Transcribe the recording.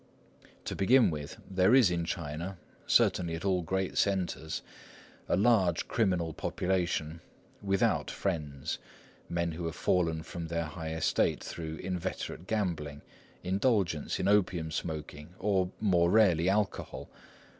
To begin with, there is in China, certainly at all great centres, a large criminal population without friends,—men who have fallen from their high estate through inveterate gambling, indulgence in opium smoking, or more rarely alcohol.